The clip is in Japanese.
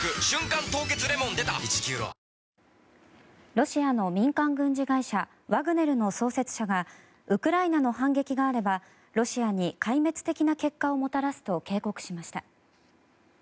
ロシアの民間軍事会社ワグネルの創設者がウクライナの反撃があればロシアに壊滅的な結果をもたらすと警告しました。